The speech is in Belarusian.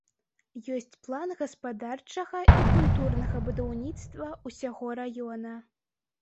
Ёсць план гаспадарчага і культурнага будаўніцтва ўсяго раёна.